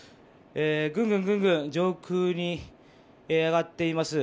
ぐんぐん上空に上がっています。